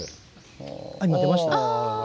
あっ今出ました。